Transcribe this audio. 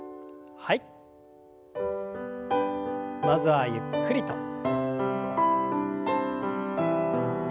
まずはゆっくりと。